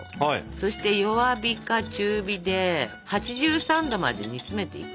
そして弱火か中火で８３℃まで煮詰めていくんですが。